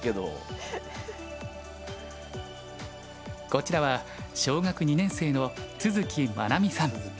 こちらは小学２年生の都築麻菜美さん。